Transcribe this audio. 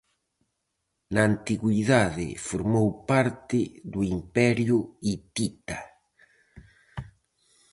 Na Antigüidade formou parte do Imperio Hitita.